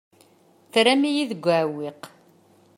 Terram-iyi deg uɛewwiq.